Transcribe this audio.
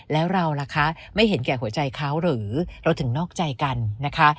แล้วเราล่ะคะไม่เห็นแก่หัวใจเขาหรือเราถึงนอกใจกันนะคะ